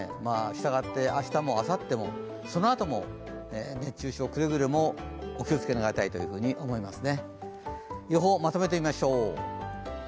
したがって明日もあさっても、そのあとも熱中症、くれぐれもお気をつけいただきたいと思います。